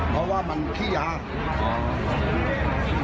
เพราะว่ามันขี้ยา